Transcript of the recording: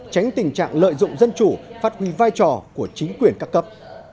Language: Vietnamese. tránh tình trạng lợi dụng dân chủ phát huy vai trò của chính quyền các cấp